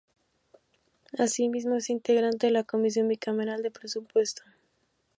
Asimismo, es integrante de la Comisión Bicameral de Presupuesto.